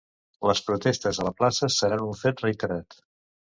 Les protestes a la plaça seran un fet reiterat.